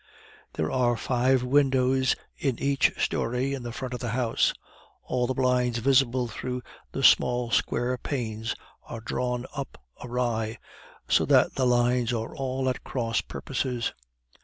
There are five windows in each story in the front of the house; all the blinds visible through the small square panes are drawn up awry, so that the lines are all at cross purposes.